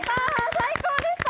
最高でした。